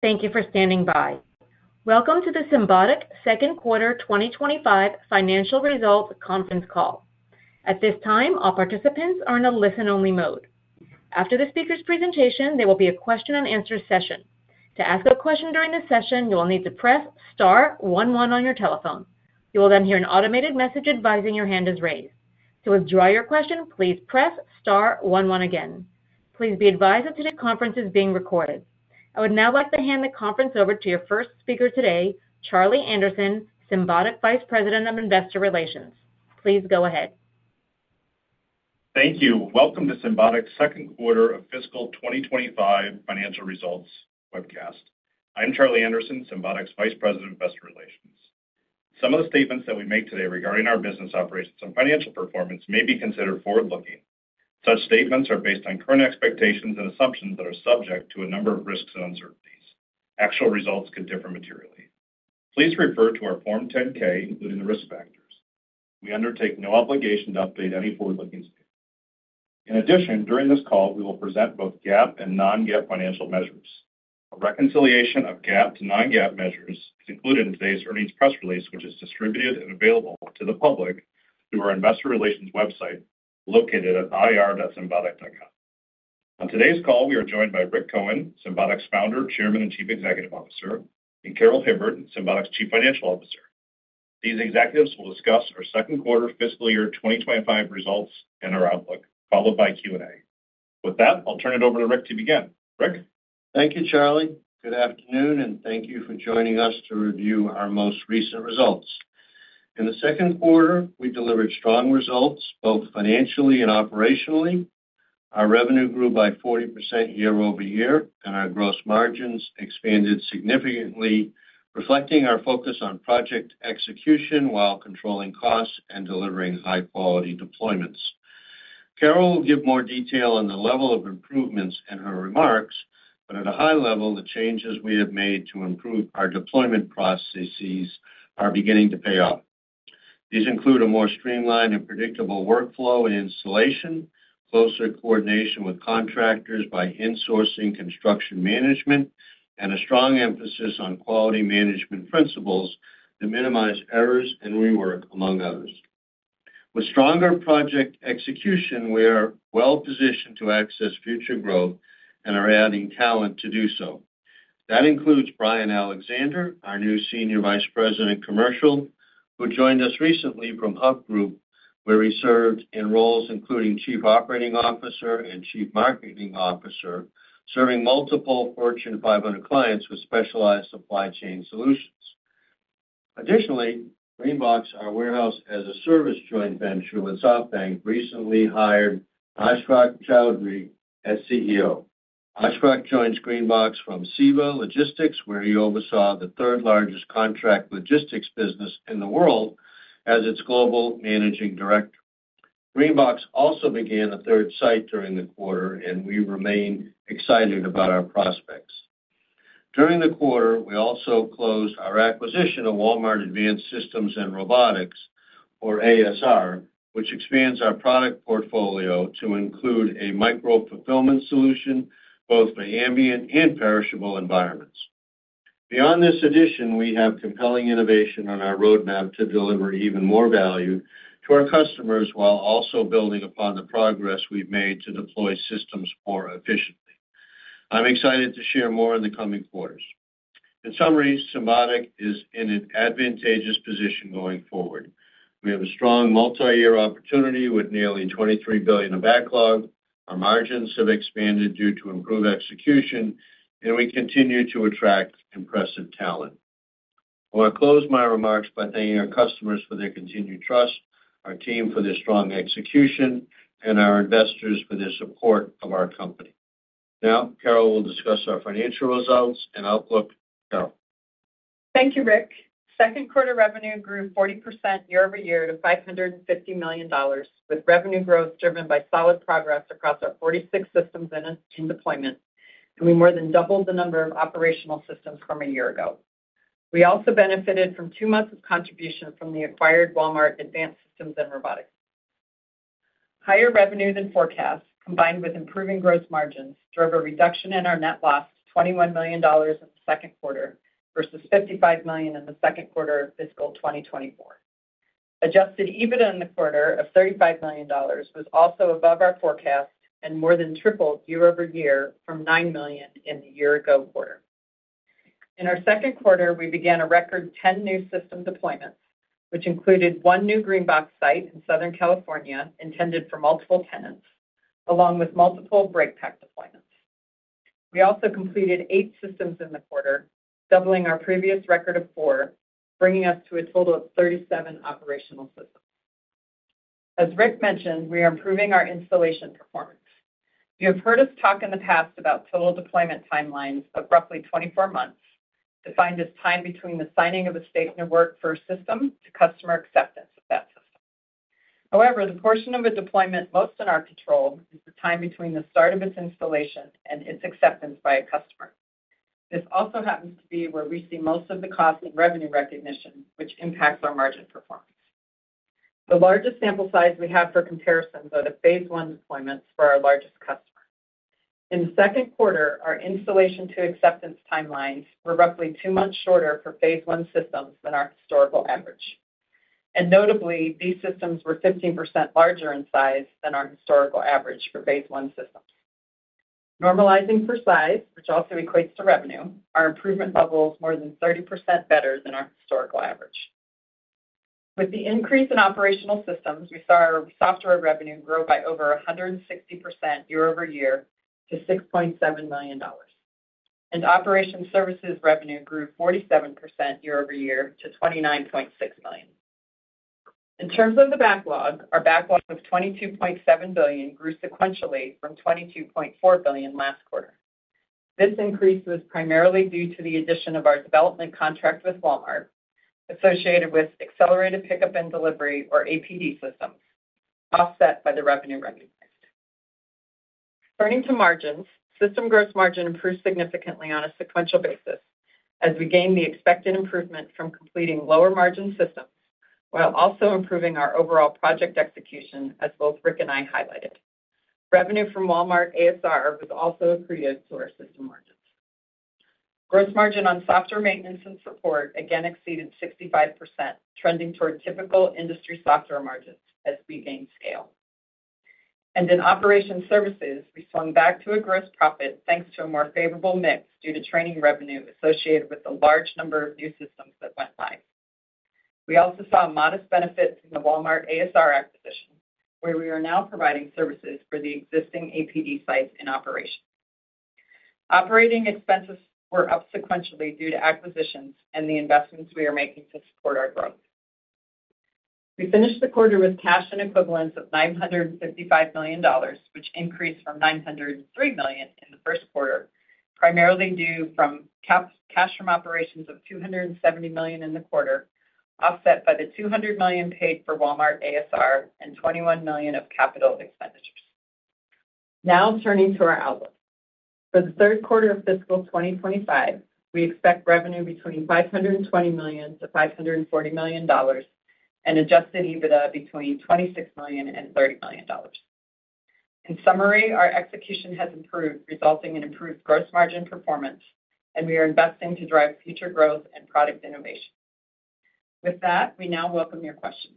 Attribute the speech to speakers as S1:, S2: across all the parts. S1: Thank you for standing by. Welcome to the Symbotic Second Quarter 2025 Financial Results Conference Call. At this time, all participants are in a listen-only mode. After the speaker's presentation, there will be a question-and-answer session. To ask a question during the session, you will need to press star one one on your telephone. You will then hear an automated message advising your hand is raised. To withdraw your question, please press star one one again. Please be advised that today's conference is being recorded. I would now like to hand the conference over to your first speaker today, Charlie Anderson, Symbotic Vice President of Investor Relations. Please go ahead.
S2: Thank you. Welcome to Symbotic Second Quarter of Fiscal 2025 Financial Results Webcast. I'm Charlie Anderson, Symbotic's Vice President of Investor Relations. Some of the statements that we make today regarding our business operations and financial performance may be considered forward-looking. Such statements are based on current expectations and assumptions that are subject to a number of risks and uncertainties. Actual results could differ materially. Please refer to our Form 10-K, including the risk factors. We undertake no obligation to update any forward-looking statements. In addition, during this call, we will present both GAAP and non-GAAP financial measures. A reconciliation of GAAP to non-GAAP measures is included in today's earnings press release, which is distributed and available to the public through our Investor Relations website located at ir.symbotic.com. On today's call, we are joined by Rick Cohen, Symbotic's Founder, Chairman, and Chief Executive Officer, and Carol Hibbard, Symbotic's Chief Financial Officer. These executives will discuss our second quarter fiscal year 2025 results and our outlook, followed by Q&A. With that, I'll turn it over to Rick to begin. Rick.
S3: Thank you, Charlie. Good afternoon, and thank you for joining us to review our most recent results. In the second quarter, we delivered strong results both financially and operationally. Our revenue grew by 40% year over year, and our gross margins expanded significantly, reflecting our focus on project execution while controlling costs and delivering high-quality deployments. Carol will give more detail on the level of improvements in her remarks, but at a high level, the changes we have made to improve our deployment processes are beginning to pay off. These include a more streamlined and predictable workflow and installation, closer coordination with contractors by insourcing construction management, and a strong emphasis on quality management principles to minimize errors and rework, among others. With stronger project execution, we are well-positioned to access future growth and are adding talent to do so. That includes Brian Alexander, our new Senior Vice President Commercial, who joined us recently from HUB Group, where he served in roles including Chief Operating Officer and Chief Marketing Officer, serving multiple Fortune 500 clients with specialized supply chain solutions. Additionally, Greenbox, our warehouse as a service joint venture with SoftBank, recently hired Ashfaq Chowdhury as CEO. Ashfaq joins Greenbox from Seva Logistics, where he oversaw the third-largest contract logistics business in the world as its Global Managing Director. Greenbox also began a third site during the quarter, and we remain excited about our prospects. During the quarter, we also closed our acquisition of Walmart Advanced Systems and Robotics, or ASR, which expands our product portfolio to include a micro-fulfillment solution both for ambient and perishable environments. Beyond this addition, we have compelling innovation on our roadmap to deliver even more value to our customers while also building upon the progress we've made to deploy systems more efficiently. I'm excited to share more in the coming quarters. In summary, Symbotic is in an advantageous position going forward. We have a strong multi-year opportunity with nearly $23 billion of backlog. Our margins have expanded due to improved execution, and we continue to attract impressive talent. I want to close my remarks by thanking our customers for their continued trust, our team for their strong execution, and our investors for their support of our company. Now, Carol will discuss our financial results and outlook. Carol.
S4: Thank you, Rick. Second quarter revenue grew 40% year over year to $550 million, with revenue growth driven by solid progress across our 46 systems in deployment, and we more than doubled the number of operational systems from a year ago. We also benefited from two months of contribution from the acquired Walmart Advanced Systems and Robotics. Higher revenue than forecast, combined with improving gross margins, drove a reduction in our net loss to $21 million in the second quarter versus $55 million in the second quarter of fiscal 2024. Adjusted EBITDA in the quarter of $35 million was also above our forecast and more than tripled year over year from $9 million in the year-ago quarter. In our second quarter, we began a record 10 new system deployments, which included one new Greenbox site in Southern California intended for multiple tenants, along with multiple breakpack deployments. We also completed eight systems in the quarter, doubling our previous record of four, bringing us to a total of 37 operational systems. As Rick mentioned, we are improving our installation performance. You have heard us talk in the past about total deployment timelines of roughly 24 months, defined as time between the signing of a statement of work for a system to customer acceptance of that system. However, the portion of a deployment most in our control is the time between the start of its installation and its acceptance by a customer. This also happens to be where we see most of the cost and revenue recognition, which impacts our margin performance. The largest sample size we have for comparison are the Phase One deployments for our largest customer. In the second quarter, our installation to acceptance timelines were roughly two months shorter for phase one systems than our historical average. Notably, these systems were 15% larger in size than our historical average for phase one systems. Normalizing for size, which also equates to revenue, our improvement level is more than 30% better than our historical average. With the increase in operational systems, we saw our software revenue grow by over 160% year over year to $6.7 million, and operation services revenue grew 47% year over year to $29.6 million. In terms of the backlog, our backlog of $22.7 billion grew sequentially from $22.4 billion last quarter. This increase was primarily due to the addition of our development contract with Walmart associated with accelerated pickup and delivery, or APD systems, offset by the revenue recognized. Turning to margins, system gross margin improved significantly on a sequential basis as we gained the expected improvement from completing lower margin systems while also improving our overall project execution, as both Rick and I highlighted. Revenue from Walmart ASR was also accretive to our system margins. Gross margin on software maintenance and support again exceeded 65%, trending toward typical industry software margins as we gained scale. In operation services, we swung back to a gross profit thanks to a more favorable mix due to training revenue associated with the large number of new systems that went live. We also saw modest benefits in the Walmart ASR acquisition, where we are now providing services for the existing APD sites in operation. Operating expenses were up sequentially due to acquisitions and the investments we are making to support our growth. We finished the quarter with cash and equivalents of $955 million, which increased from $903 million in the first quarter, primarily due to cash from operations of $270 million in the quarter, offset by the $200 million paid for Walmart ASR and $21 million of capital expenditures. Now turning to our outlook. For the third quarter of fiscal 2025, we expect revenue between $520 million-$540 million and adjusted EBITDA between $26 million-$30 million. In summary, our execution has improved, resulting in improved gross margin performance, and we are investing to drive future growth and product innovation. With that, we now welcome your questions.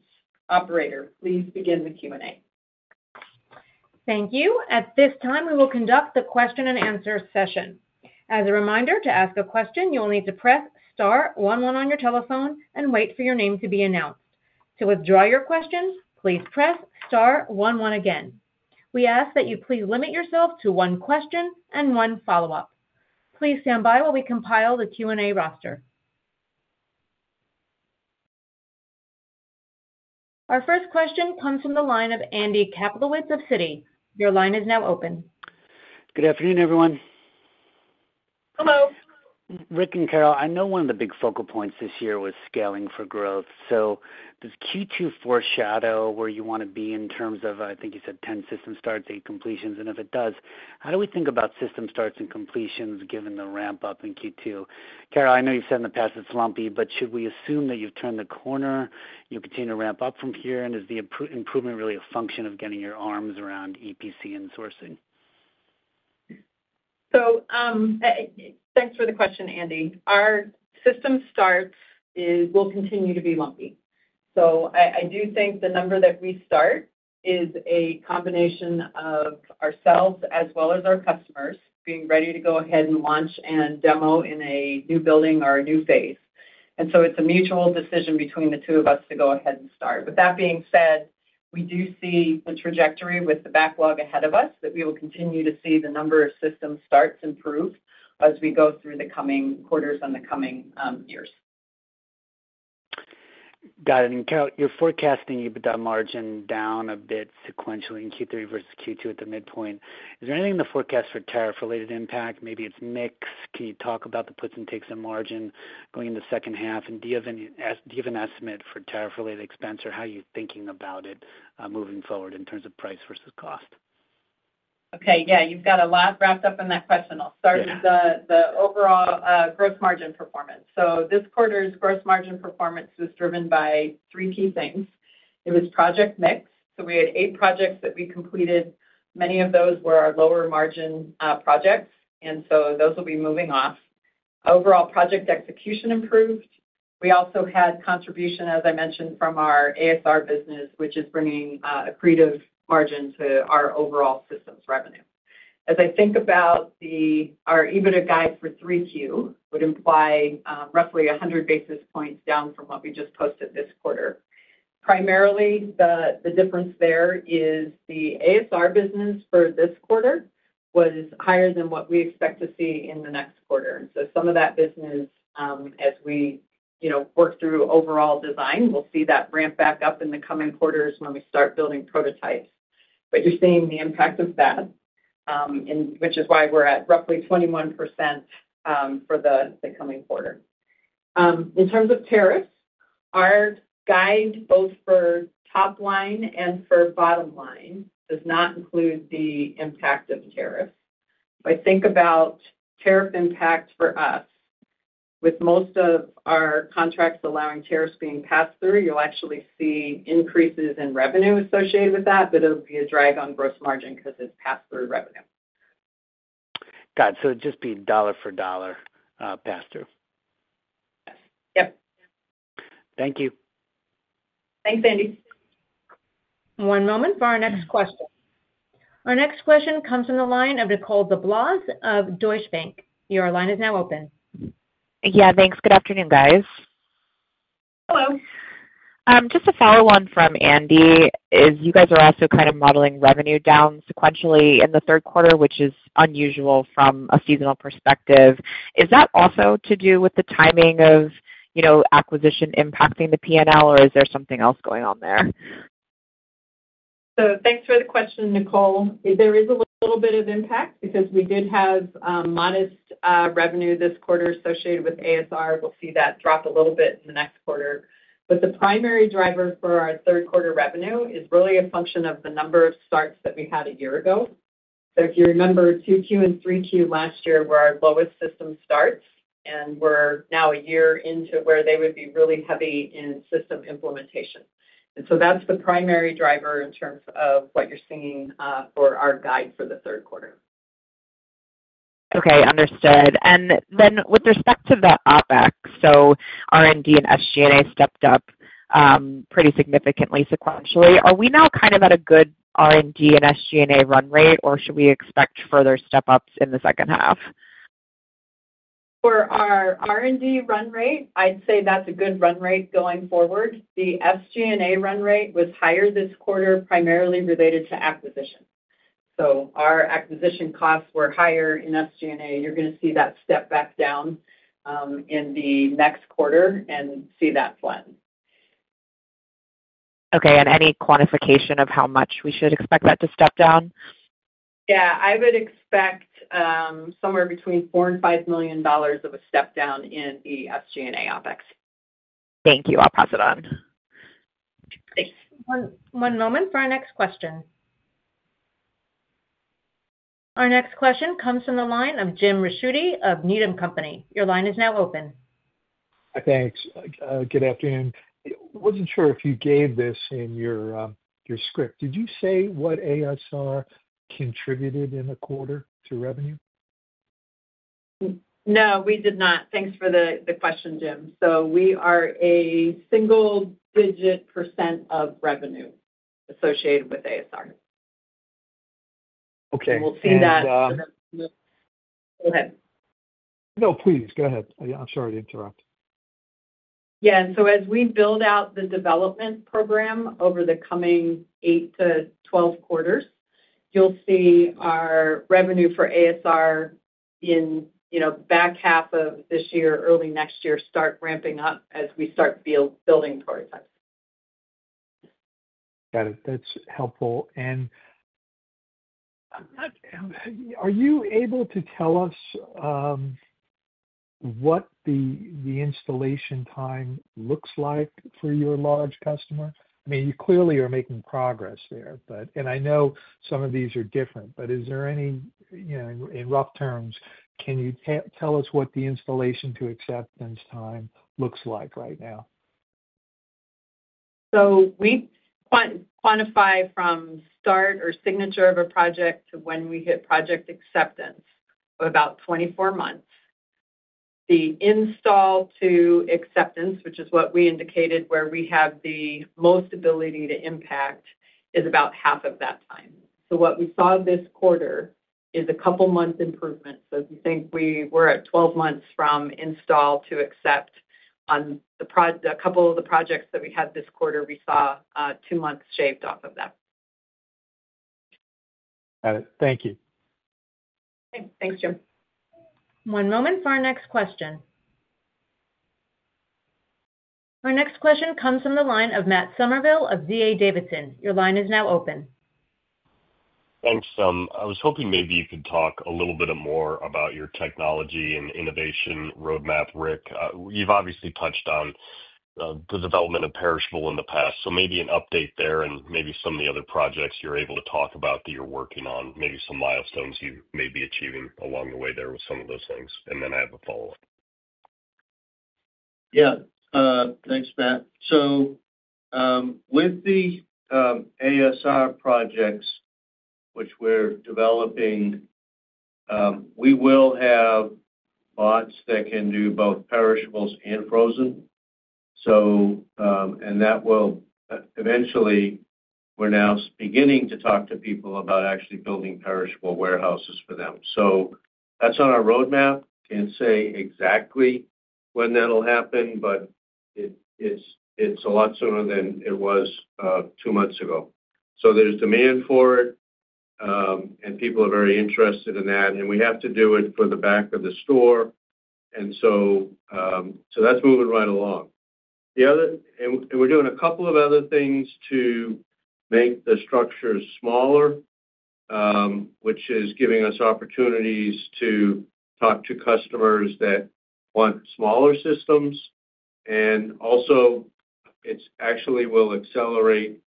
S4: Operator, please begin the Q&A.
S1: Thank you. At this time, we will conduct the question-and-answer session. As a reminder, to ask a question, you will need to press star one one on your telephone and wait for your name to be announced. To withdraw your question, please press star one one again. We ask that you please limit yourself to one question and one follow-up. Please stand by while we compile the Q&A roster. Our first question comes from the line of Andrew Kaplowitz of Citigroup. Your line is now open.
S5: Good afternoon, everyone.
S4: Hello.
S5: Rick and Carol, I know one of the big focal points this year was scaling for growth. Does Q2 foreshadow where you want to be in terms of, I think you said, 10 system starts, eight completions? If it does, how do we think about system starts and completions given the ramp-up in Q2? Carol, I know you've said in the past it's lumpy, but should we assume that you've turned the corner, you'll continue to ramp up from here, and is the improvement really a function of getting your arms around EPC insourcing?
S4: Thanks for the question, Andy. Our system starts will continue to be lumpy. I do think the number that we start is a combination of ourselves as well as our customers being ready to go ahead and launch and demo in a new building or a new phase. It is a mutual decision between the two of us to go ahead and start. With that being said, we do see the trajectory with the backlog ahead of us that we will continue to see the number of system starts improve as we go through the coming quarters and the coming years.
S5: Got it. Carol, you're forecasting EBITDA margin down a bit sequentially in Q3 versus Q2 at the midpoint. Is there anything in the forecast for tariff-related impact? Maybe it's mixed. Can you talk about the puts and takes in margin going into the second half? Do you have an estimate for tariff-related expense or how you're thinking about it moving forward in terms of price versus cost?
S4: Okay. Yeah. You've got a lot wrapped up in that question. I'll start with the overall gross margin performance. This quarter's gross margin performance was driven by three key things. It was project mix. We had eight projects that we completed. Many of those were our lower margin projects, and those will be moving off. Overall project execution improved. We also had contribution, as I mentioned, from our ASR business, which is bringing accretive margin to our overall systems revenue. As I think about our EBITDA guide for 3Q, it would imply roughly 100 basis points down from what we just posted this quarter. Primarily, the difference there is the ASR business for this quarter was higher than what we expect to see in the next quarter. Some of that business, as we work through overall design, we'll see that ramp back up in the coming quarters when we start building prototypes. You're seeing the impact of that, which is why we're at roughly 21% for the coming quarter. In terms of tariffs, our guide, both for top line and for bottom line, does not include the impact of tariffs. If I think about tariff impact for us, with most of our contracts allowing tariffs being passed through, you'll actually see increases in revenue associated with that, but it'll be a drag on gross margin because it's passed through revenue.
S5: Got it. It'd just be dollar for dollar passed through.
S4: Yes. Yep.
S5: Thank you.
S4: Thanks, Andy.
S1: One moment for our next question. Our next question comes from the line of Nicole DeBlase of Deutsche Bank. Your line is now open.
S6: Yeah. Thanks. Good afternoon, guys.
S4: Hello.
S6: Just a follow-on from Andy, is you guys are also kind of modeling revenue down sequentially in the third quarter, which is unusual from a seasonal perspective. Is that also to do with the timing of acquisition impacting the P&L, or is there something else going on there?
S4: Thanks for the question, Nicole. There is a little bit of impact because we did have modest revenue this quarter associated with ASR. We'll see that drop a little bit in the next quarter. The primary driver for our third quarter revenue is really a function of the number of starts that we had a year ago. If you remember, 2Q and 3Q last year were our lowest system starts, and we're now a year into where they would be really heavy in system implementation. That's the primary driver in terms of what you're seeing for our guide for the third quarter.
S6: Okay. Understood. With respect to the OpEx, R&D and SG&A stepped up pretty significantly sequentially. Are we now kind of at a good R&D and SG&A run rate, or should we expect further step-ups in the second half?
S4: For our R&D run rate, I'd say that's a good run rate going forward. The SG&A run rate was higher this quarter, primarily related to acquisition. So our acquisition costs were higher in SG&A. You're going to see that step back down in the next quarter and see that slide.
S6: Okay. Any quantification of how much we should expect that to step down?
S4: Yeah. I would expect somewhere between $4 million and $5 million of a step-down in the SG&A OpEx.
S6: Thank you. I'll pass it on.
S4: Thanks.
S1: One moment for our next question. Our next question comes from the line of Jim Rishuti of Needham Company. Your line is now open.
S7: Hi, thanks. Good afternoon. Wasn't sure if you gave this in your script. Did you say what ASR contributed in the quarter to revenue?
S4: No, we did not. Thanks for the question, Jim. So we are a single-digit percentage of revenue associated with ASR.
S7: Okay. And.
S4: We'll see that.
S7: And.
S4: Go ahead.
S7: No, please. Go ahead. I'm sorry to interrupt.
S4: Yeah. As we build out the development program over the coming eight to 12 quarters, you'll see our revenue for ASR in the back half of this year, early next year, start ramping up as we start building prototypes.
S7: Got it. That's helpful. Are you able to tell us what the installation time looks like for your large customer? I mean, you clearly are making progress there, and I know some of these are different, but is there any, in rough terms, can you tell us what the installation to acceptance time looks like right now?
S4: We quantify from start or signature of a project to when we hit project acceptance, about 24 months. The install to acceptance, which is what we indicated where we have the most ability to impact, is about half of that time. What we saw this quarter is a couple of months' improvement. If you think we were at 12 months from install to accept, on a couple of the projects that we had this quarter, we saw two months shaved off of that.
S7: Got it. Thank you.
S4: Okay. Thanks, Jim.
S1: One moment for our next question. Our next question comes from the line of Matt Somerville of DA Davidson. Your line is now open.
S8: Thanks, Sim. I was hoping maybe you could talk a little bit more about your technology and innovation roadmap, Rick. You've obviously touched on the development of Perishable in the past, so maybe an update there and maybe some of the other projects you're able to talk about that you're working on, maybe some milestones you may be achieving along the way there with some of those things. I have a follow-up.
S3: Yeah. Thanks, Matt. With the ASR projects, which we're developing, we will have bots that can do both Perishables and Frozen. That will eventually—we're now beginning to talk to people about actually building Perishable warehouses for them. That's on our roadmap. Can't say exactly when that'll happen, but it's a lot sooner than it was two months ago. There's demand for it, and people are very interested in that. We have to do it for the back of the store. That's moving right along. We're doing a couple of other things to make the structures smaller, which is giving us opportunities to talk to customers that want smaller systems. Also, it actually will accelerate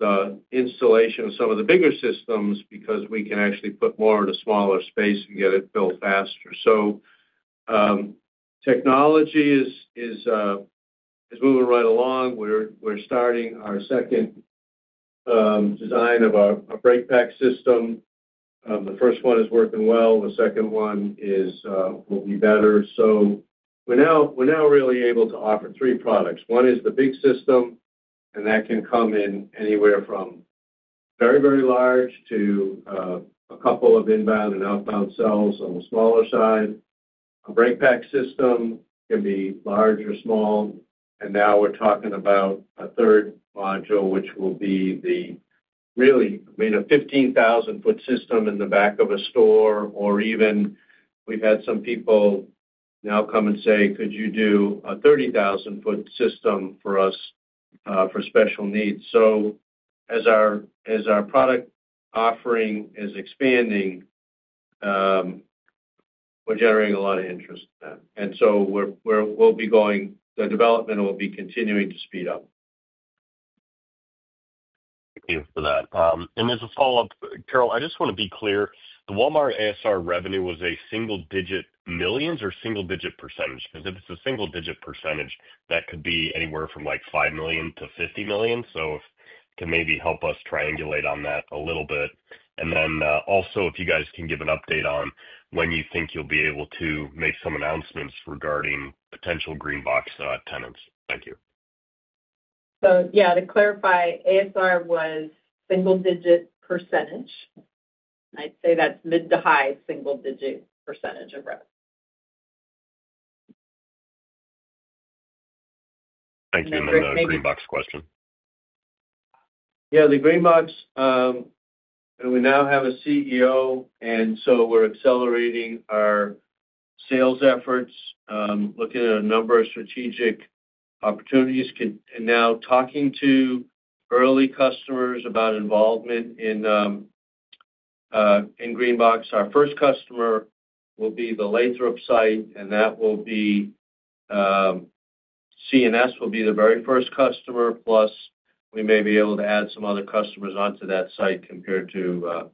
S3: the installation of some of the bigger systems because we can actually put more in a smaller space and get it built faster. Technology is moving right along. We're starting our second design of our Breakpack system. The first one is working well. The second one will be better. We're now really able to offer three products. One is the big system, and that can come in anywhere from very, very large to a couple of inbound and outbound cells on the smaller side. A Breakpack system can be large or small. Now we're talking about a third module, which will be the really, I mean, a 15,000 sq ft system in the back of a store. Or even we've had some people now come and say, "Could you do a 30,000 sq ft system for us for special needs?" As our product offering is expanding, we're generating a lot of interest in that. We'll be going—the development will be continuing to speed up.
S8: Thank you for that. As a follow-up, Carol, I just want to be clear. The Walmart ASR revenue was a single-digit millions or single-digit percentage? Because if it's a single-digit percentage, that could be anywhere from like $5 million to $50 million. If you can maybe help us triangulate on that a little bit. Also, if you guys can give an update on when you think you'll be able to make some announcements regarding potential Greenbox tenants. Thank you.
S4: Yeah, to clarify, ASR was single-digit percentage. I'd say that's mid to high single-digit percentage of revenue.
S8: Thank you. And then the Greenbox question.
S3: Yeah. The Greenbox, we now have a CEO, and so we're accelerating our sales efforts, looking at a number of strategic opportunities. Now talking to early customers about involvement in Greenbox. Our first customer will be the Lathrop site, and that will be C&S will be the very first customer, plus we may be able to add some other customers onto that site compared to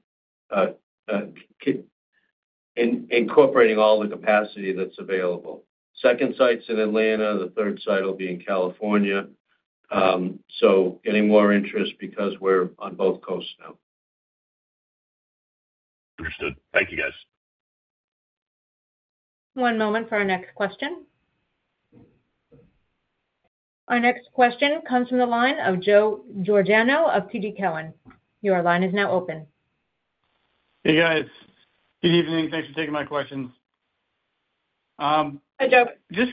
S3: incorporating all the capacity that's available. Second site's in Atlanta. The third site will be in California. Getting more interest because we're on both coasts now.
S8: Understood. Thank you, guys.
S1: One moment for our next question. Our next question comes from the line of Joe Giordano of TD Cowen. Your line is now open.
S9: Hey, guys. Good evening. Thanks for taking my questions.
S4: Hi, Joe.
S9: Just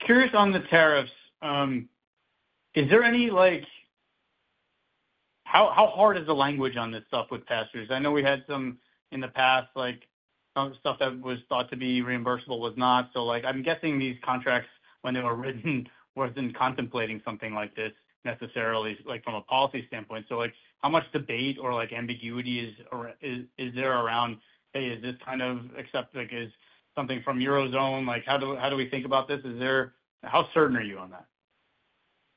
S9: curious on the tariffs. Is there any—how hard is the language on this stuff with passages? I know we had some in the past, some stuff that was thought to be reimbursable was not. I'm guessing these contracts, when they were written, were not contemplating something like this necessarily from a policy standpoint. How much debate or ambiguity is there around, "Hey, is this kind of accepted? Is something from Eurozone? How do we think about this?" How certain are you on that?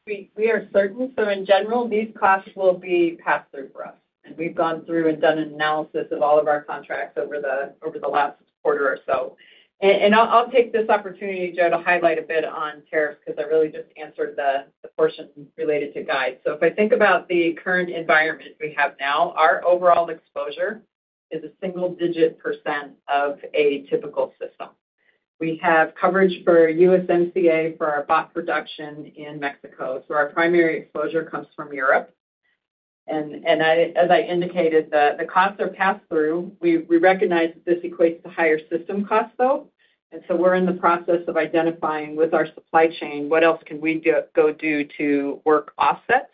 S4: We are certain. In general, these costs will be passed through for us. We have gone through and done an analysis of all of our contracts over the last quarter or so. I'll take this opportunity, Joe, to highlight a bit on tariffs because I really just answered the portion related to guides. If I think about the current environment we have now, our overall exposure is a single-digit percentage of a typical system. We have coverage for USMCA for our box production in Mexico. Our primary exposure comes from Europe. As I indicated, the costs are passed through. We recognize that this equates to higher system costs, though. We are in the process of identifying with our supply chain what else we can go do to work offsets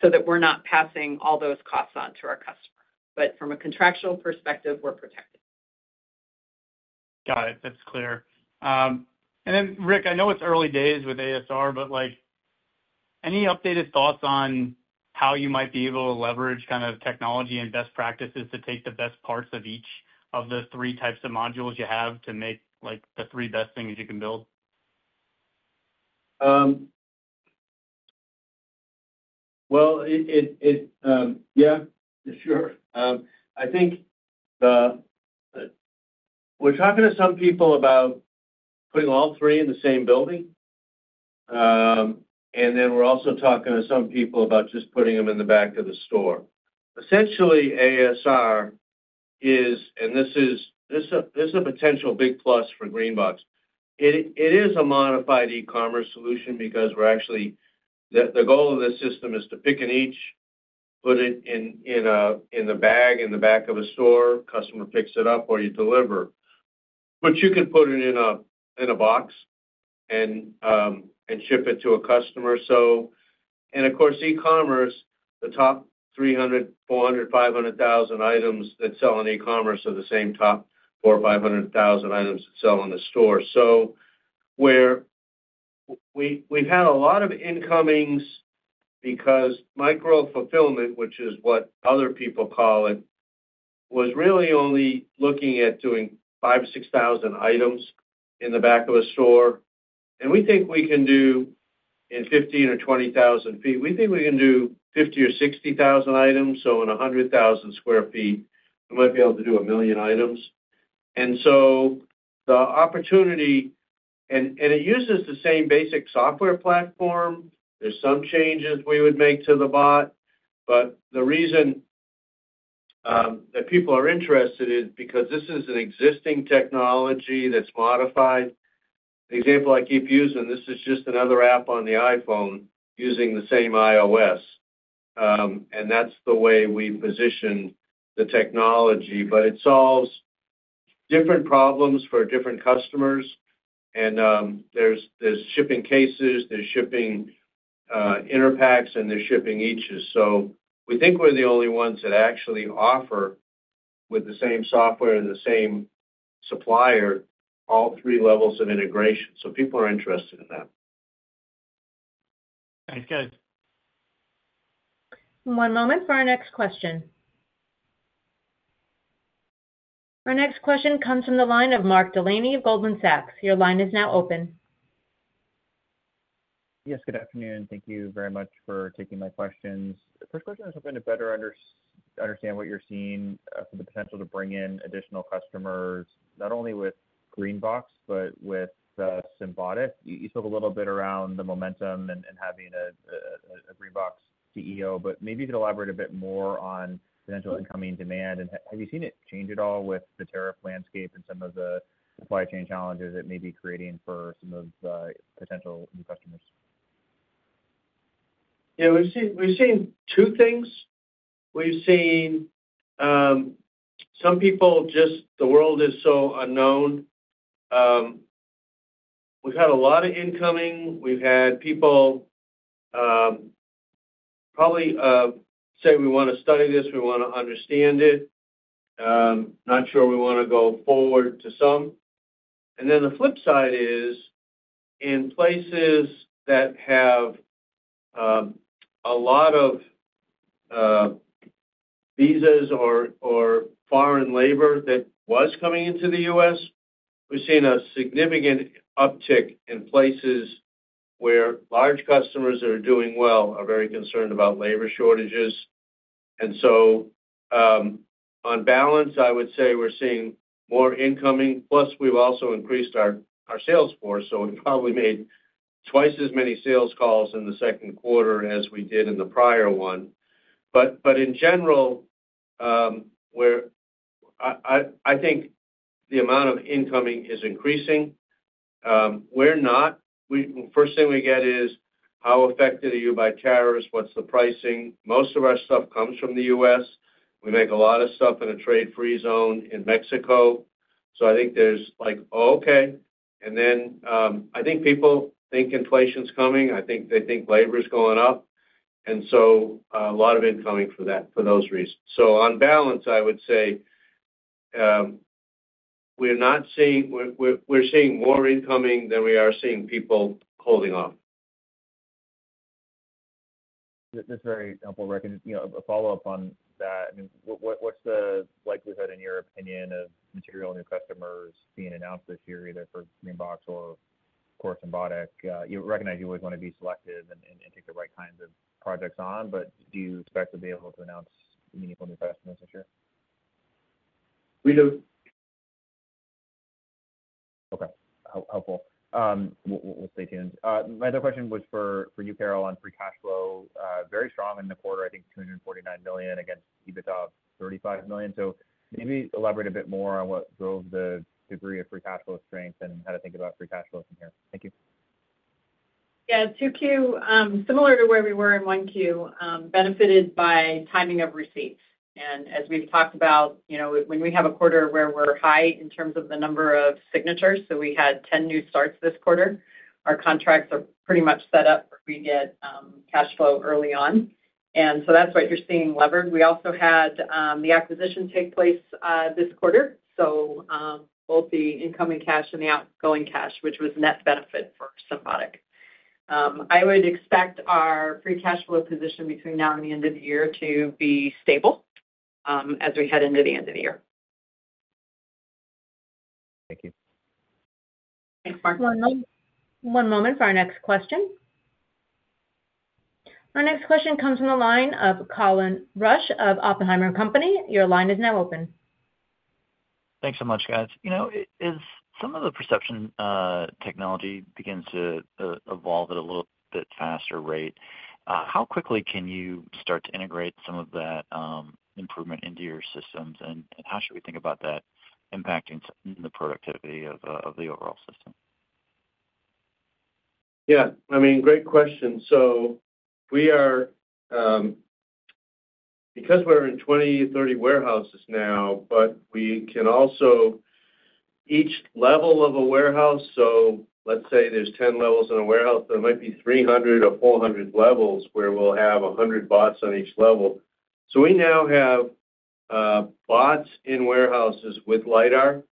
S4: so that we're not passing all those costs on to our customer. From a contractual perspective, we're protected.
S9: Got it. That's clear. Rick, I know it's early days with ASR, but any updated thoughts on how you might be able to leverage kind of technology and best practices to take the best parts of each of the three types of modules you have to make the three best things you can build?
S3: Yeah, sure. I think we're talking to some people about putting all three in the same building. We're also talking to some people about just putting them in the back of the store. Essentially, ASR is—and this is a potential big plus for Greenbox—it is a modified e-commerce solution because we're actually—the goal of this system is to pick an each, put it in the bag in the back of a store, customer picks it up, or you deliver. You could put it in a box and ship it to a customer. Of course, e-commerce, the top 300, 400, 500 thousand items that sell in e-commerce are the same top 400, 500 thousand items that sell in the store. We've had a lot of incomings because micro-fulfillment, which is what other people call it, was really only looking at doing 5,000-6,000 items in the back of a store. We think we can do in 15,000 or 20,000 sq ft. We think we can do 50,000 or 60,000 items. In 100,000 sq ft, we might be able to do a million items. The opportunity is that it uses the same basic software platform. There are some changes we would make to the bot. The reason that people are interested is because this is an existing technology that's modified. The example I keep using is this is just another app on the iPhone using the same iOS. That's the way we position the technology. It solves different problems for different customers. There is shipping cases, there is shipping inner packs, and there is shipping eaches. We think we're the only ones that actually offer with the same software and the same supplier all three levels of integration. People are interested in that.
S9: Sounds good.
S1: One moment for our next question. Our next question comes from the line of Mark Delaney of Goldman Sachs. Your line is now open.
S10: Yes. Good afternoon. Thank you very much for taking my questions. The first question is hoping to better understand what you're seeing for the potential to bring in additional customers, not only with Greenbox but with Symbotic. You spoke a little bit around the momentum and having a Greenbox CEO, but maybe you could elaborate a bit more on potential incoming demand. Have you seen it change at all with the tariff landscape and some of the supply chain challenges it may be creating for some of the potential new customers?
S3: Yeah. We've seen two things. We've seen some people just—the world is so unknown. We've had a lot of incoming. We've had people probably say, "We want to study this. We want to understand it." Not sure we want to go forward to some. The flip side is in places that have a lot of visas or foreign labor that was coming into the U.S., we've seen a significant uptick in places where large customers that are doing well are very concerned about labor shortages. On balance, I would say we're seeing more incoming. Plus, we've also increased our sales force. We probably made twice as many sales calls in the second quarter as we did in the prior one. In general, I think the amount of incoming is increasing. We're not. First thing we get is, "How affected are you by tariffs? What's the pricing?" Most of our stuff comes from the U.S. We make a lot of stuff in a trade-free zone in Mexico. I think there's like, "Oh, okay." I think people think inflation's coming. I think they think labor's going up. A lot of incoming for those reasons. On balance, I would say we're seeing more incoming than we are seeing people holding off.
S10: That's very helpful. A follow-up on that. I mean, what's the likelihood, in your opinion, of material new customers being announced this year, either for Greenbox or, of course, Symbotic? You recognize you always want to be selective and take the right kinds of projects on, but do you expect to be able to announce meaningful new customers this year?
S3: We don't.
S10: Okay. Helpful. We'll stay tuned. My other question was for you, Carol, on free cash flow. Very strong in the quarter, I think $249 million against EBITDA of $35 million. Maybe elaborate a bit more on what drove the degree of free cash flow strength and how to think about free cash flow from here. Thank you.
S4: Yeah. Two Q. Similar to where we were in one Q, benefited by timing of receipts. As we've talked about, when we have a quarter where we're high in terms of the number of signatures, we had 10 new starts this quarter. Our contracts are pretty much set up. We get cash flow early on. That is what you're seeing levered. We also had the acquisition take place this quarter. Both the incoming cash and the outgoing cash, which was net benefit for Symbotic. I would expect our free cash flow position between now and the end of the year to be stable as we head into the end of the year.
S10: Thank you.
S4: Thanks, Mark.
S1: One moment for our next question. Our next question comes from the line of Colin Rusch of Oppenheimer. Your line is now open.
S11: Thanks so much, guys. As some of the perception technology begins to evolve at a little bit faster rate, how quickly can you start to integrate some of that improvement into your systems? How should we think about that impacting the productivity of the overall system?
S3: Yeah. I mean, great question. Because we are in 20, 30 warehouses now, but we can also each level of a warehouse. Let's say there are 10 levels in a warehouse, there might be 300 or 400 levels where we will have 100 bots on each level. We now have bots in warehouses with LiDAR.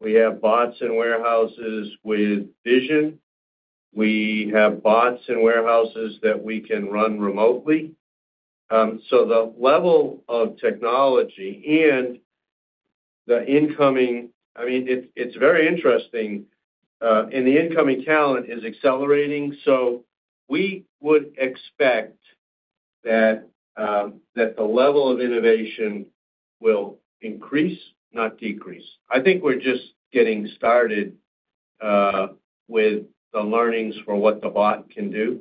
S3: We have bots in warehouses with vision. We have bots in warehouses that we can run remotely. The level of technology and the incoming—I mean, it is very interesting. The incoming talent is accelerating. We would expect that the level of innovation will increase, not decrease. I think we are just getting started with the learnings for what the bot can do.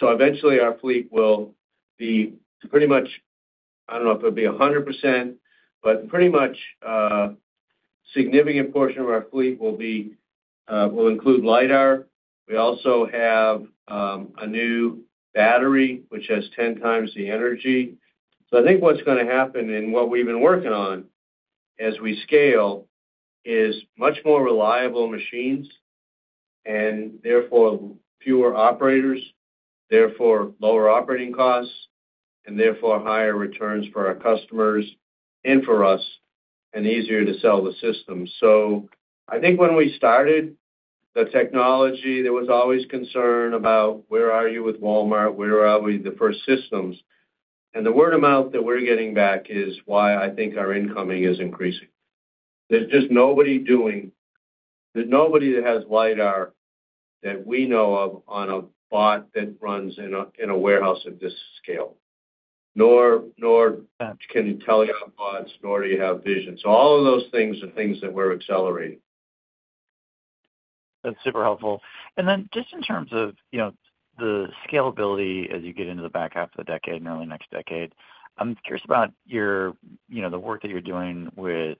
S3: Eventually, our fleet will be pretty much—I do not know if it will be 100%, but pretty much a significant portion of our fleet will include LiDAR. We also have a new battery, which has 10 times the energy. I think what is going to happen and what we have been working on as we scale is much more reliable machines and therefore fewer operators, therefore lower operating costs, and therefore higher returns for our customers and for us, and easier to sell the system. I think when we started the technology, there was always concern about, "Where are you with Walmart? Where are we with the first systems?" The word of mouth that we are getting back is why I think our incoming is increasing. There is just nobody doing—there is nobody that has LiDAR that we know of on a bot that runs in a warehouse of this scale. Nor can you tell you have bots, nor do you have vision. All of those things are things that we are accelerating.
S11: That's super helpful. Then just in terms of the scalability as you get into the back half of the decade and early next decade, I'm curious about the work that you're doing with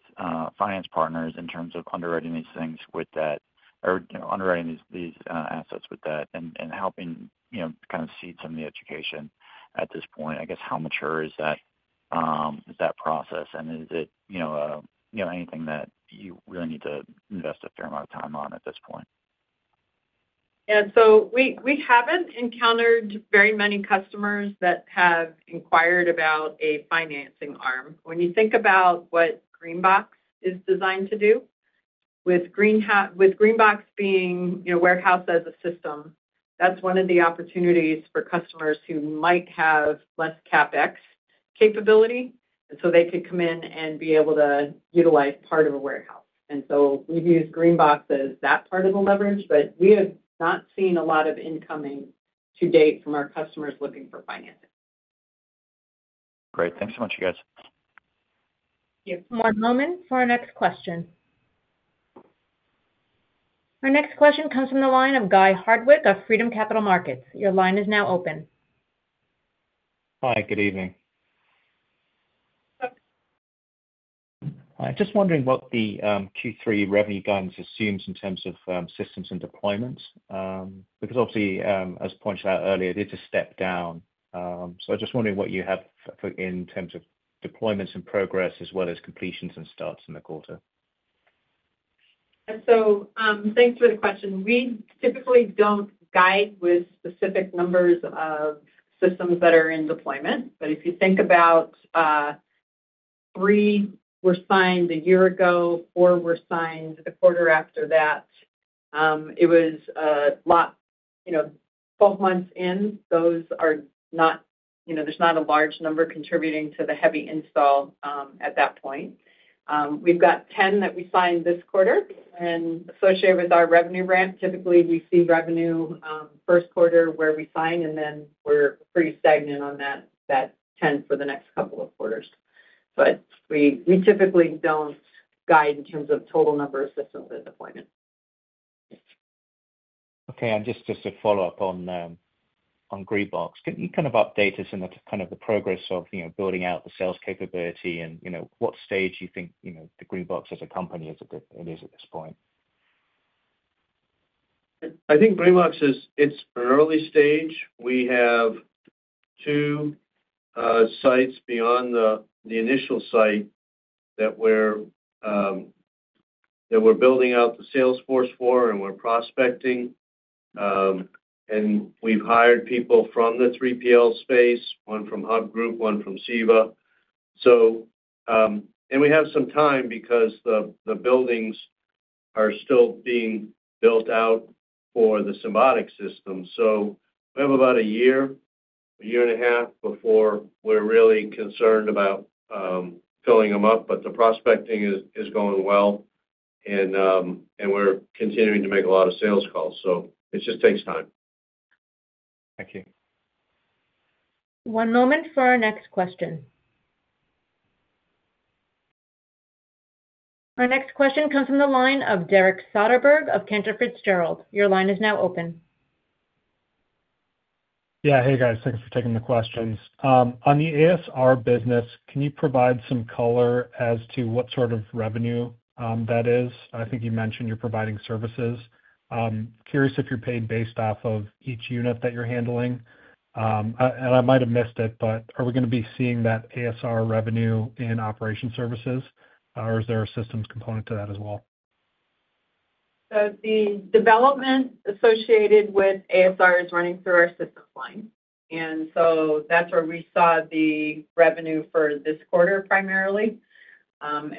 S11: finance partners in terms of underwriting these things or underwriting these assets with that and helping kind of seed some of the education. At this point, I guess, how mature is that process? Is it anything that you really need to invest a fair amount of time on at this point?
S4: Yeah. We haven't encountered very many customers that have inquired about a financing arm. When you think about what Greenbox is designed to do, with Greenbox being warehoused as a system, that's one of the opportunities for customers who might have less CapEx capability. They could come in and be able to utilize part of a warehouse. We've used Greenbox as that part of the leverage, but we have not seen a lot of incoming to date from our customers looking for financing.
S11: Great. Thanks so much, you guys.
S1: Thank you. One moment for our next question. Our next question comes from the line of Guy Hardwick of Freedom Capital Markets. Your line is now open.
S12: Hi. Good evening. Hi. Just wondering what the Q3 revenue guidance assumes in terms of systems and deployments because, obviously, as pointed out earlier, it is a step down. So I'm just wondering what you have in terms of deployments and progress as well as completions and starts in the quarter.
S4: Thank you for the question. We typically do not guide with specific numbers of systems that are in deployment. If you think about three, we signed a year ago. Four were signed a quarter after that. It was a lot. 12 months in, those are not, there is not a large number contributing to the heavy install at that point. We have 10 that we signed this quarter. Associated with our revenue ramp, typically, we see revenue first quarter where we sign, and then we are pretty stagnant on that 10 for the next couple of quarters. We typically do not guide in terms of total number of systems in deployment.
S12: Okay. Just a follow-up on Greenbox. Can you kind of update us in kind of the progress of building out the sales capability and what stage you think Greenbox as a company is at this point?
S3: I think Greenbox is—it's early stage. We have two sites beyond the initial site that we're building out the sales force for, and we're prospecting. We have hired people from the 3PL space, one from HUB Group, one from Seva. We have some time because the buildings are still being built out for the Symbotic system. We have about a year, a year and a half before we're really concerned about filling them up. The prospecting is going well, and we're continuing to make a lot of sales calls. It just takes time.
S12: Thank you.
S1: One moment for our next question. Our next question comes from the line of Derek Soderberg of Cantor Fitzgerald. Your line is now open.
S13: Yeah. Hey, guys. Thanks for taking the questions. On the ASR business, can you provide some color as to what sort of revenue that is? I think you mentioned you're providing services. Curious if you're paid based off of each unit that you're handling. I might have missed it, but are we going to be seeing that ASR revenue in operation services, or is there a systems component to that as well?
S4: The development associated with ASR is running through our systems line. That is where we saw the revenue for this quarter primarily.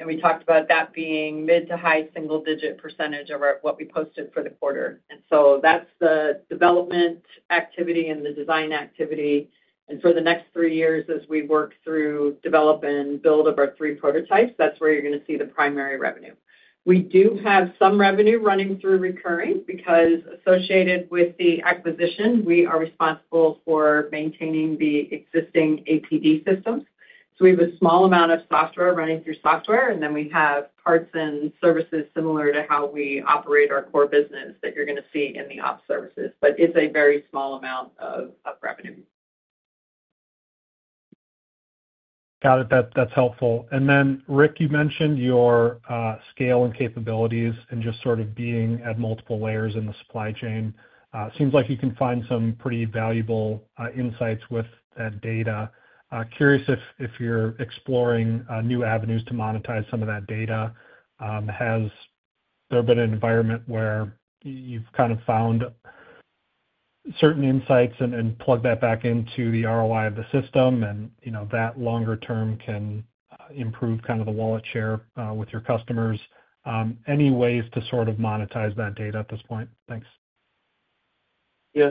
S4: We talked about that being mid to high single-digit percentage of what we posted for the quarter. That is the development activity and the design activity. For the next three years, as we work through develop and build of our three prototypes, that is where you are going to see the primary revenue. We do have some revenue running through recurring because associated with the acquisition, we are responsible for maintaining the existing APD systems. We have a small amount of software running through software, and then we have parts and services similar to how we operate our core business that you are going to see in the op services. It is a very small amount of revenue.
S13: Got it. That's helpful. Rick, you mentioned your scale and capabilities and just sort of being at multiple layers in the supply chain. Seems like you can find some pretty valuable insights with that data. Curious if you're exploring new avenues to monetize some of that data. Has there been an environment where you've kind of found certain insights and plugged that back into the ROI of the system and that longer term can improve kind of the wallet share with your customers? Any ways to sort of monetize that data at this point? Thanks.
S3: Yeah.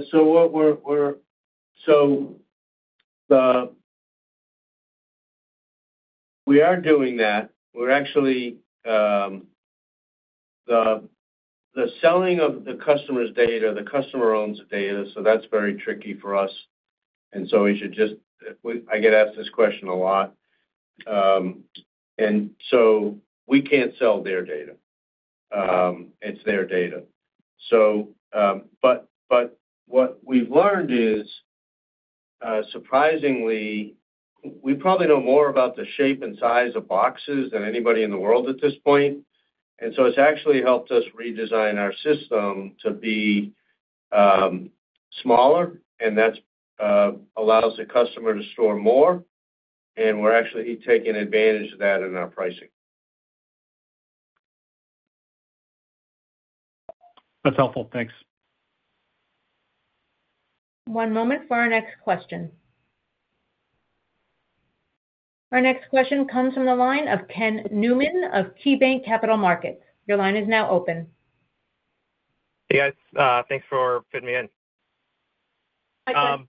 S3: We are doing that. The selling of the customer's data, the customer owns the data, so that's very tricky for us. I get asked this question a lot. We can't sell their data. It's their data. What we've learned is, surprisingly, we probably know more about the shape and size of boxes than anybody in the world at this point. It's actually helped us redesign our system to be smaller, and that allows the customer to store more. We're actually taking advantage of that in our pricing.
S13: That's helpful. Thanks.
S1: One moment for our next question. Our next question comes from the line of Ken Newman of KeyBanc Capital Markets. Your line is now open.
S14: Hey, guys. Thanks for fitting me in.
S4: Hi, Ken.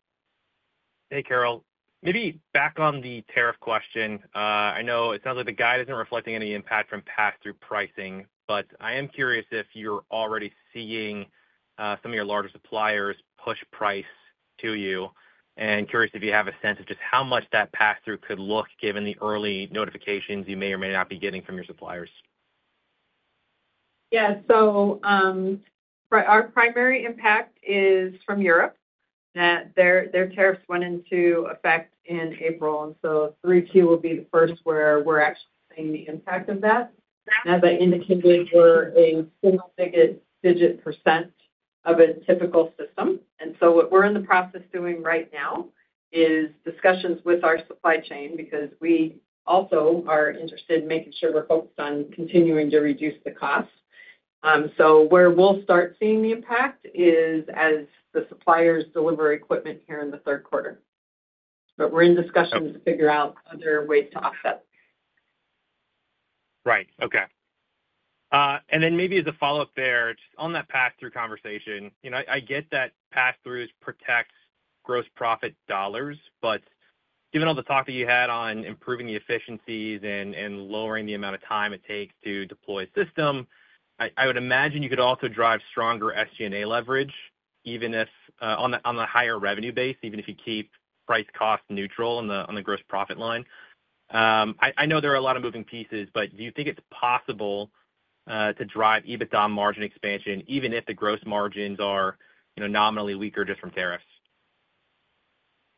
S14: Hey, Carol. Maybe back on the tariff question. I know it sounds like the guide isn't reflecting any impact from pass-through pricing, but I am curious if you're already seeing some of your larger suppliers push price to you. I am curious if you have a sense of just how much that pass-through could look given the early notifications you may or may not be getting from your suppliers.
S4: Yeah. Our primary impact is from Europe. Their tariffs went into effect in April. 3Q will be the first where we're actually seeing the impact of that. As I indicated, we're a single-digit percentage of a typical system. What we're in the process doing right now is discussions with our supply chain because we also are interested in making sure we're focused on continuing to reduce the cost. Where we'll start seeing the impact is as the suppliers deliver equipment here in the third quarter. We're in discussions to figure out other ways to offset.
S14: Right. Okay. Maybe as a follow-up there, just on that pass-through conversation, I get that pass-through protects gross profit dollars. Given all the talk that you had on improving the efficiencies and lowering the amount of time it takes to deploy a system, I would imagine you could also drive stronger SG&A leverage on the higher revenue base, even if you keep price-cost neutral on the gross profit line. I know there are a lot of moving pieces, but do you think it's possible to drive EBITDA margin expansion even if the gross margins are nominally weaker just from tariffs?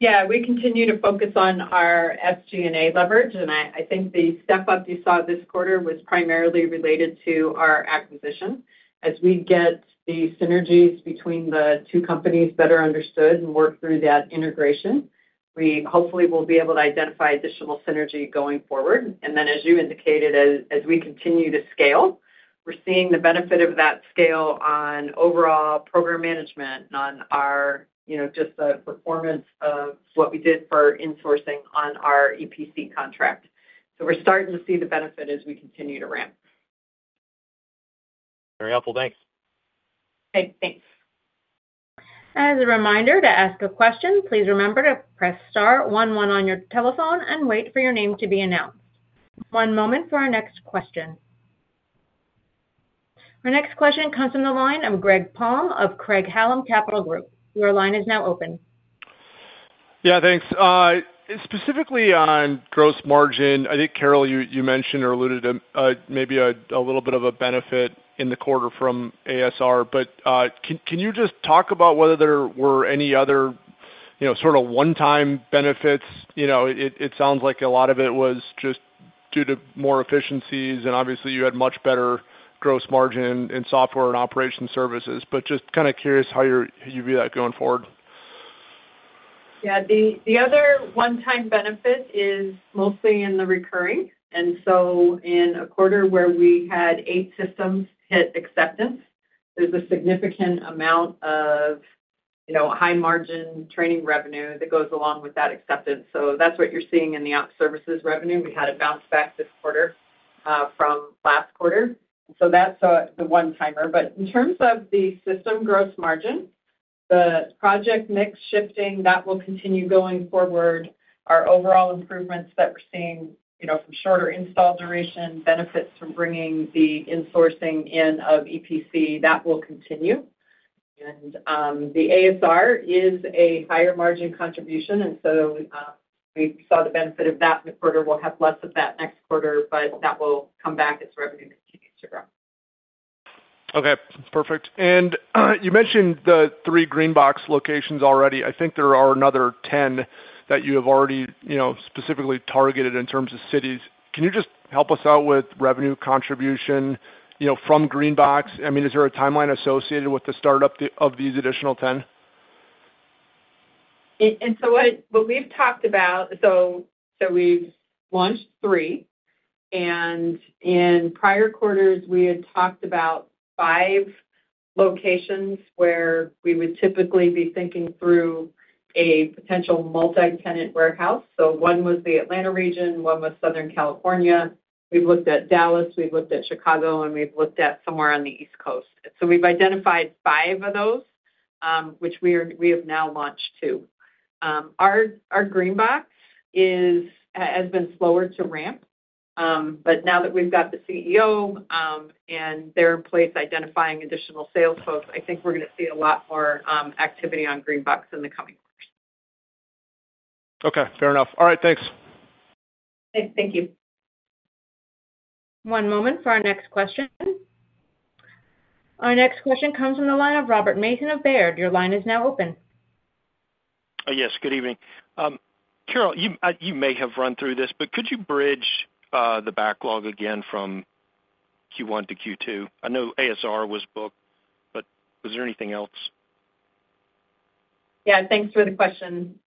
S4: Yeah. We continue to focus on our SG&A leverage. I think the step up you saw this quarter was primarily related to our acquisition. As we get the synergies between the two companies better understood and work through that integration, we hopefully will be able to identify additional synergy going forward. As you indicated, as we continue to scale, we're seeing the benefit of that scale on overall program management and on just the performance of what we did for insourcing on our EPC contract. We are starting to see the benefit as we continue to ramp.
S14: Very helpful. Thanks.
S4: Okay. Thanks.
S1: As a reminder to ask a question, please remember to press star one one on your telephone and wait for your name to be announced. One moment for our next question. Our next question comes from the line of Greg Palm of Craig-Hallum. Your line is now open.
S15: Yeah. Thanks. Specifically on gross margin, I think, Carol, you mentioned or alluded to maybe a little bit of a benefit in the quarter from ASR. Can you just talk about whether there were any other sort of one-time benefits? It sounds like a lot of it was just due to more efficiencies. Obviously, you had much better gross margin in software and operation services. Just kind of curious how you view that going forward.
S4: Yeah. The other one-time benefit is mostly in the recurring. In a quarter where we had eight systems hit acceptance, there's a significant amount of high-margin training revenue that goes along with that acceptance. That's what you're seeing in the op services revenue. We had a bounce back this quarter from last quarter. That's the one-timer. In terms of the system gross margin, the project mix shifting, that will continue going forward. Our overall improvements that we're seeing from shorter install duration, benefits from bringing the insourcing in of EPC, that will continue. The ASR is a higher margin contribution. We saw the benefit of that in the quarter. We'll have less of that next quarter, but that will come back as revenue continues to grow.
S15: Okay. Perfect. You mentioned the three Greenbox locations already. I think there are another 10 that you have already specifically targeted in terms of cities. Can you just help us out with revenue contribution from Greenbox? I mean, is there a timeline associated with the startup of these additional 10?
S4: What we've talked about, we've launched three. In prior quarters, we had talked about five locations where we would typically be thinking through a potential multi-tenant warehouse. One was the Atlanta region, one was Southern California. We've looked at Dallas, we've looked at Chicago, and we've looked at somewhere on the East Coast. We've identified five of those, which we have now launched two. Our Greenbox has been slower to ramp. Now that we've got the CEO and they're in place identifying additional sales folks, I think we're going to see a lot more activity on Greenbox in the coming quarters.
S15: Okay. Fair enough. All right. Thanks.
S4: Thank you.
S1: One moment for our next question. Our next question comes from the line of Robert Mason of Baird. Your line is now open.
S16: Yes. Good evening. Carol, you may have run through this, but could you bridge the backlog again from Q1 to Q2? I know ASR was booked, but was there anything else?
S4: Yeah. Thanks for the question.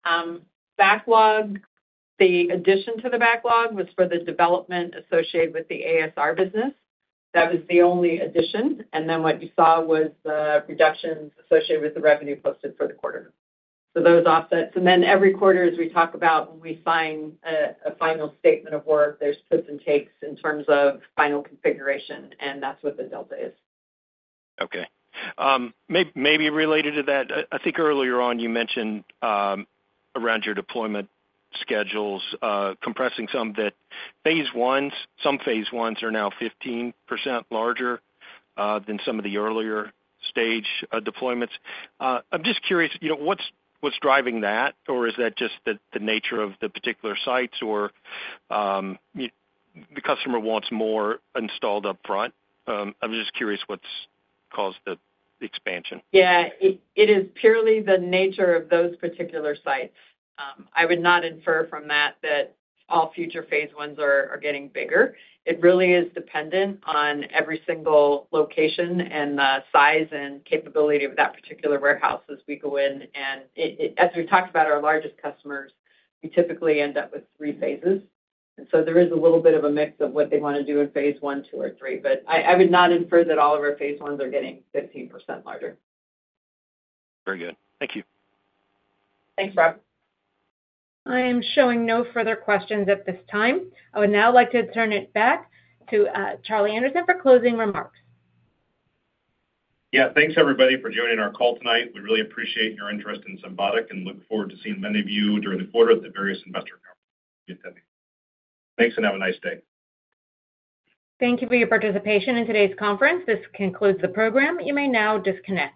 S4: The addition to the backlog was for the development associated with the ASR business. That was the only addition. What you saw was the reductions associated with the revenue posted for the quarter. Those offset. Every quarter, as we talk about when we sign a final statement of work, there are puts and takes in terms of final configuration, and that is what the delta is.
S16: Okay. Maybe related to that, I think earlier on, you mentioned around your deployment schedules, compressing some that some phase ones are now 15% larger than some of the earlier stage deployments. I'm just curious, what's driving that? Or is that just the nature of the particular sites, or the customer wants more installed upfront? I'm just curious what's caused the expansion.
S4: Yeah. It is purely the nature of those particular sites. I would not infer from that that all future phase ones are getting bigger. It really is dependent on every single location and the size and capability of that particular warehouse as we go in. As we have talked about our largest customers, we typically end up with three phases. There is a little bit of a mix of what they want to do in phase one, two, or three. I would not infer that all of our phase ones are getting 15% larger.
S16: Very good. Thank you.
S4: Thanks, Rob.
S1: I am showing no further questions at this time. I would now like to turn it back to Charlie Anderson for closing remarks.
S2: Yeah. Thanks, everybody, for joining our call tonight. We really appreciate your interest in Symbotic and look forward to seeing many of you during the quarter at the various investor conferences. Thanks, and have a nice day.
S1: Thank you for your participation in today's conference. This concludes the program. You may now disconnect.